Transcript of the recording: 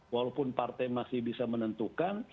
walaupun partai masih bisa menentukan